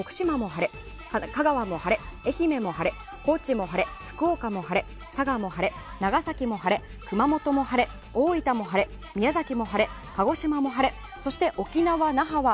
晴れ香川も晴れ、愛媛も晴れ高知も晴れ、福岡も晴れ佐賀も晴れ長崎も晴れ、熊本も晴れ大分も晴れ、宮崎も晴れ鹿児島も晴れそして沖縄・那覇は